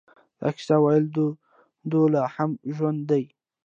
د کیسه ویلو دود لا هم ژوندی دی.